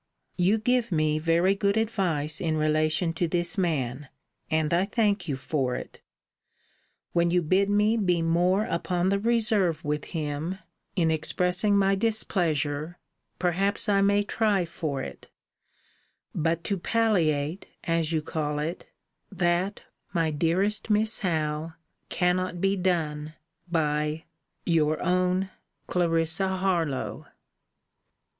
You give me very good advice in relation to this man; and I thank you for it. When you bid me be more upon the reserve with him in expressing my displeasure, perhaps I may try for it: but to palliate, as you call it, that, my dearest Miss Howe, cannot be done, by Your own, CLARISSA HARLOWE.